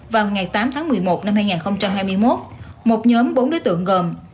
vào ngày tám tháng một mươi một năm hai nghìn hai mươi một một nhóm bốn đối tượng gồm